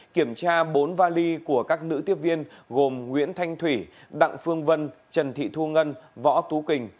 kiểm tra bốn vali của các nữ tiếp viên gồm nguyễn thanh thủy đặng phương vân trần thị thu ngân võ tú quỳnh